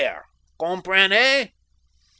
Comprenez?